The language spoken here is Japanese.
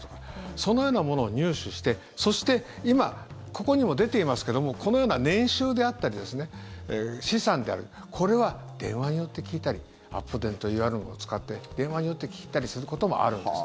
そのようなものを入手してそして、今ここにも出ていますけどもこのような年収であったり資産であるとかこれは電話によって聞いたりアポ電といわれるものを使って電話によって聞いたりすることもあるんです。